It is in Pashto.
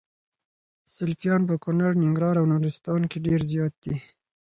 سلفيان په کونړ ، ننګرهار او نورستان کي ډير زيات دي